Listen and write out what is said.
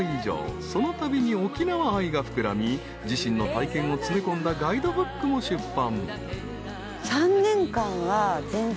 ［そのたびに沖縄愛が膨らみ自身の体験を詰め込んだガイドブックも出版］